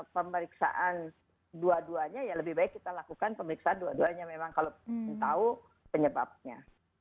pemeriksaan dua duanya ya lebih baik kita lakukan pemeriksaan dua duanya memang kalau tahu penyebabnya